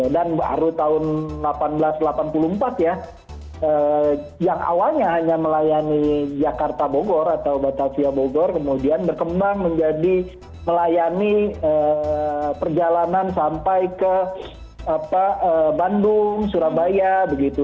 dan baru tahun seribu delapan ratus delapan puluh empat ya yang awalnya hanya melayani jakarta bogor atau batavia bogor kemudian berkembang menjadi melayani perjalanan sampai ke bandung surabaya begitu